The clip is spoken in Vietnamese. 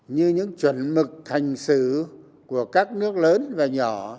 như những chuẩn mực thành xử của các nước lớn và nhỏ